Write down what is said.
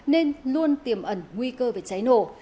nên luôn tiềm ẩn nguy cơ về cháy nổ